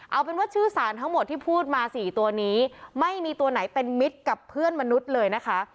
เอาเป็นว่าชื่อสารทั้งหมดที่พูดมา๔ตัวนี้ไม่มีตัวไหนเป็นมิตรกับเพื่อนมนุษย์เลยนะคะ